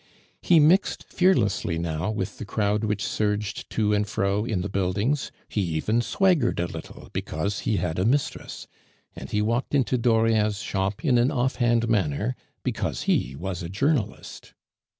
He mixed fearlessly now with the crowd which surged to and fro in the buildings; he even swaggered a little because he had a mistress; and he walked into Dauriat's shop in an offhand manner because he was a journalist.